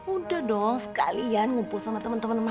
udah dong sekalian ngumpul sama temen temen mama